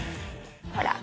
ほら。